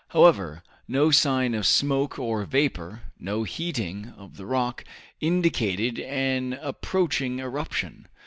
However, no sign of smoke or vapor, no heating of the rock, indicated an approaching eruption.